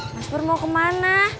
mas pur mau kemana